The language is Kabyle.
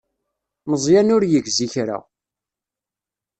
Meẓyan ur yegzi kra.